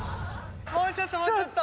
もうちょっともうちょっと・・